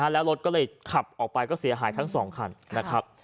แล้วรถก็สีถี่ออกไปก็เสียหายทั้งสองคน